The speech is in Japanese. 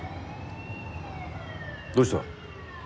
どうした？